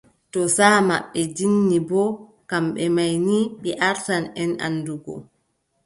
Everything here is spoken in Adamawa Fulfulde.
Too saaʼa maɓɓe jinni boo, kamɓe may ni ɓe artan en anndungo.